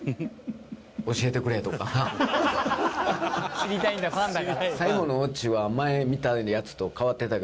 「知りたいんだファンだから」